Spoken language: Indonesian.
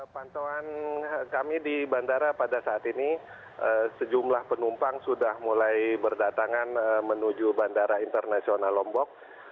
pantauan kami di bandara pada saat ini sejumlah penumpang sudah mulai berdatangan menuju bandara internasional lombok